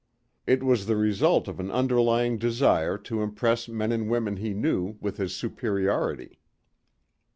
It was the result of an underlying desire to impress men and women he knew with his superiority.